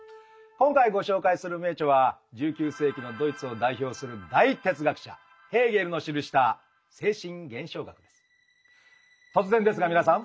今回ご紹介する名著は１９世紀のドイツを代表する大哲学者ヘーゲルの記した「精神現象学」です。